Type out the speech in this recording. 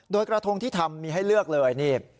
โดยกระทงที่ทำมีให้เลือกเลยนี่